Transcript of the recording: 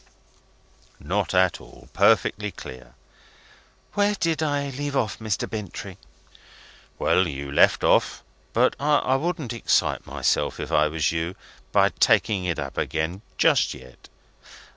"Not at all. Perfectly clear." "Where did I leave off, Mr. Bintrey?" "Well, you left off but I wouldn't excite myself, if I was you, by taking it up again just yet."